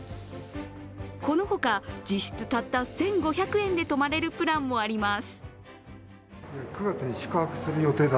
この他、実質たった１５００円で泊まれるプランもあります。